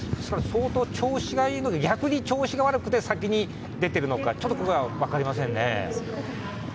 相当調子がいいのか逆に調子が悪くて先に出てるのかちょっと分かりませんね。